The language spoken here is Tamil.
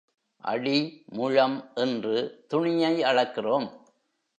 அடி, முழம் என்று துணியை அளக்கிறோம்.